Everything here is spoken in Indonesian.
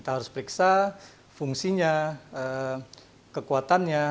harus periksa fungsinya kekuatannya